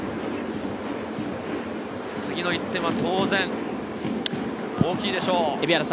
次の１点は当然、大きいでしょう。